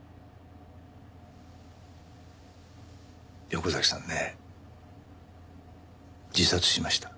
横崎さんね自殺しました。